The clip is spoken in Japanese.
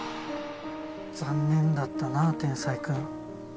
残念だったな天才くん。